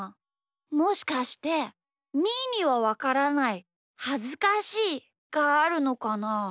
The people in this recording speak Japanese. もしかしてみーにはわからないはずかしいがあるのかな。